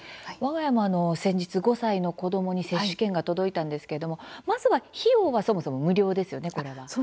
わが家も、先日５歳の子どもに接種券が届いたんですけどもまずは費用はそもそも無料ですよね？